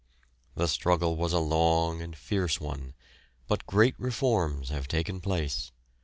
The struggle was a long and fierce one, but great reforms have taken place.